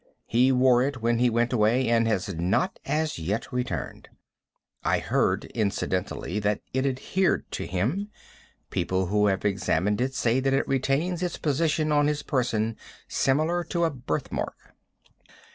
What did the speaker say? He wore it when he went away, and he has not as yet returned. I heard, incidentally, that it adhered to him. People who have examined it say that it retains its position on his person similar to a birthmark.